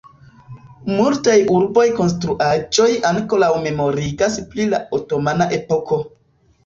Multaj urbaj konstruaĵoj ankoraŭ memorigas pri la otomana epoko.